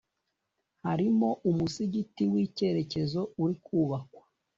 harimo umusigiti w’icyitegererezo uri kubakwa